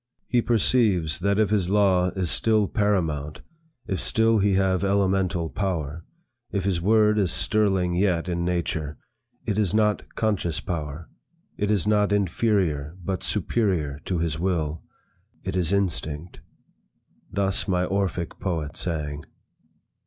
He perceives that if his law is still paramount, if still he have elemental power, if his word is sterling yet in nature, it is not conscious power, it is not inferior but superior to his will. It is Instinct.' Thus my Orphic poet sang.